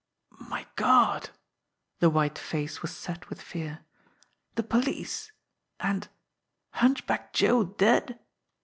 "My God!" The white face was set with fear. "The police and Hunchback Joe dead!